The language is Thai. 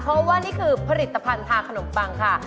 เพราะว่านี่คือผลิตภัณฑ์ทาขนมปังค่ะ